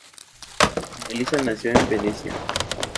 Malisa nació en Venecia.